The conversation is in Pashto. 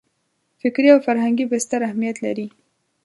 فکري او فرهنګي بستر اهمیت لري.